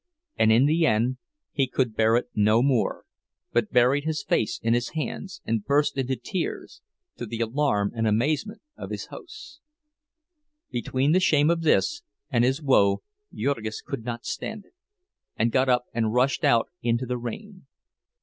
And in the end he could bear it no more, but buried his face in his hands and burst into tears, to the alarm and amazement of his hosts. Between the shame of this and his woe Jurgis could not stand it, and got up and rushed out into the rain.